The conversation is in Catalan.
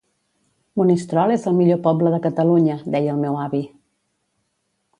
Monistrol és el millor poble de Catalunya, deia el meu avi.